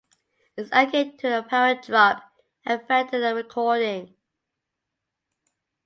It's akin to a power drop affecting the recording.